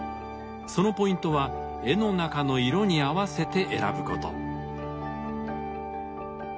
そのポイントは絵の中の色に合わせて選ぶこと。